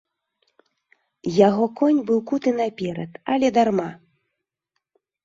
Яго конь быў куты на перад, але дарма.